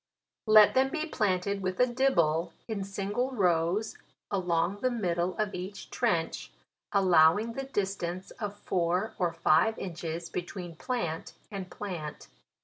" Let them be planted with a dibble, in single rows along the middle of each trench, allowing the distance of four or five inches between plant and plant.